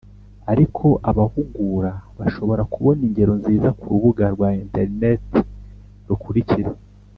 Ariko abahugura bashobora kubona ingero nziza ku rubuga rwa interineti rukurikira